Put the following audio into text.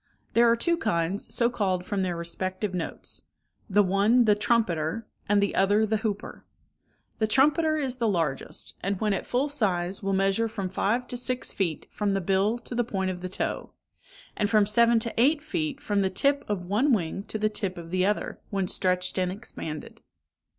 There are two kinds, so called from their respective notes—the one the trumpeter, and the other the hooper; the trumpeter is the largest, and when at full size will measure from five to six feet from the bill to the point of the toe, and from seven to eight feet from the tip of one wing to the tip of the other, when stretched and expanded.